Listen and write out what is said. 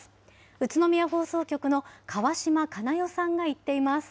宇都宮放送局の川島加奈代さんが行っています。